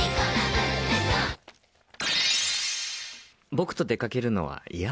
僕と出かけるのは嫌？